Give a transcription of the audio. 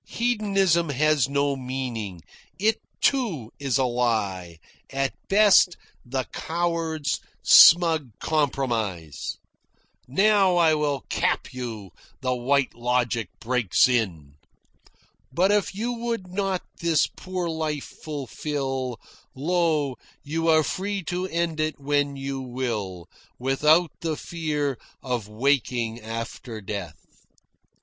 Hedonism has no meaning. It, too, is a lie, at best the coward's smug compromise." "Now will I cap you!" the White Logic breaks in. "But if you would not this poor life fulfil, Lo, you are free to end it when you will, Without the fear of waking after death."